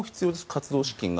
活動資金が。